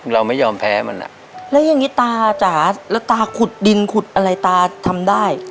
เราไม่ยอมแพ้มันอ่ะแล้วอย่างนี้ตาจ๋าแล้วตาขุดดินขุดอะไรตาทำได้